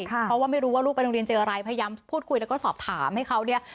เพราะว่าไม่รู้ว่าลูกไปโรงเรียนเจออะไรพยายามพูดคุยแล้วก็สอบถามให้เขาเนี่ย